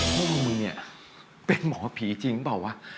พ่อมึงเนี่ยเป็นหมอผีจริงป่ะวะ